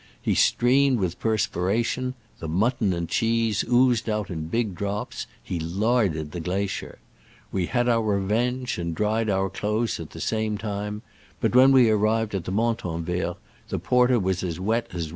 He streamed with perspiration ; the mutton and cheese oozed out in big drops ; he larded the glacier. We had our revenge, and dried our clothes at the same time, but when we arrived at the Montanvert the porter was as wet as